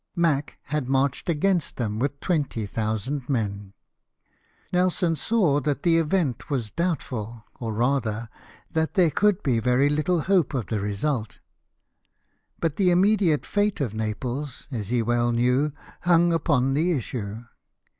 Mack had marched against them with 20,000 men. Nelson saw that the event was doubtful, or rather, that there could be very little hope of the result. But the immediate fate of Naples, as he well knew, hung upon the issue.